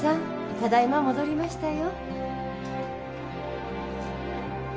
ただいま戻りましたよ